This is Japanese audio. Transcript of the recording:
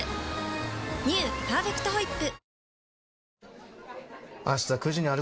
「パーフェクトホイップ」